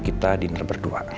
kita diner berdua